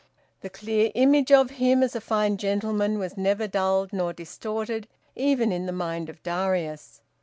The clear image of him as a fine gentleman was never dulled nor distorted even in the mind of Darius.